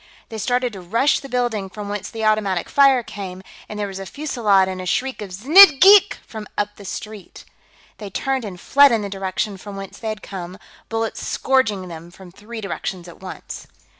They started to rush the building from whence the automatic fire came, and there was a fusillade and a shriek of "Znidd geek!" from up the street. They turned and fled in the direction from whence they had come, bullets scourging them from three directions at once.